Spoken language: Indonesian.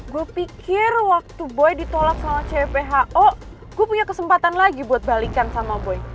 gue pikir waktu boy ditolak sama cpho gue punya kesempatan lagi buat balikan sama boy